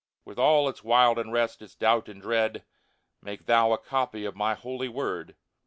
With all its wild unrest, its doubt and dread :*' Make thou a copy of My Holy Word